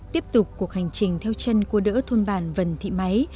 tiếp tục cuộc hành trình theo chân cô đỡ thôn bản vân thị máy